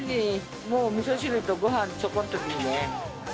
もう味噌汁とご飯ちょこっとでいいね。